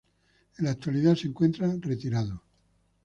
En la actualidad se encuentra retirado.